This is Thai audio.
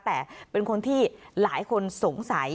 แต่เป็นคนที่หลายคนสงสัย